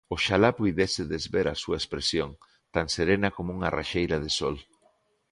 Oxalá puidésedes ver a súa expresión, tan serena como unha raxeira de sol.